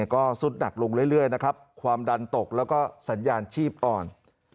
ก็สุดหนักลงเรื่อยนะครับความดันตกแล้วก็สัญญาณชีพอ่อน